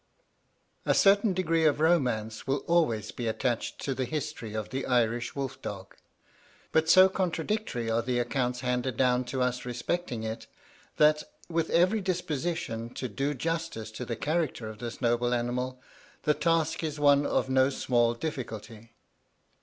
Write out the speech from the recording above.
A certain degree of romance will always be attached to the history of the Irish wolf dog, but so contradictory are the accounts handed down to us respecting it, that, with every disposition to do justice to the character of this noble animal, the task is one of no small difficulty.